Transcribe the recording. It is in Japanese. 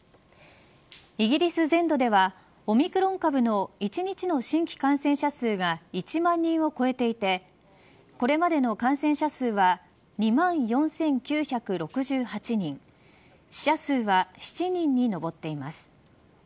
イギリス全土ではオミクロン株の１日の新規感染者数が１万人を超えていてこれまでの感染者数は２万４９６８人死者数は７人に上っています。